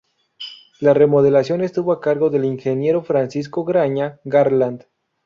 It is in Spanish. La remodelación estuvo a cargo del ingeniero Francisco Graña Garland.